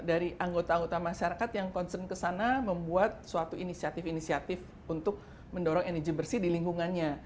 dari anggota anggota masyarakat yang concern ke sana membuat suatu inisiatif inisiatif untuk mendorong energi bersih di lingkungannya